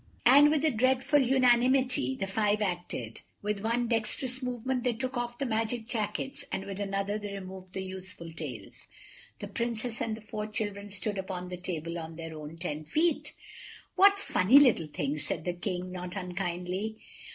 And with a dreadful unanimity the five acted; with one dexterous movement they took off the magic jackets, and with another they removed the useful tails. The Princess and the four children stood upon the table on their own ten feet. "What funny little things," said the King, not unkindly.